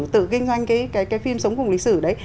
tự kinh doanh cái phim sống cùng lịch sử đấy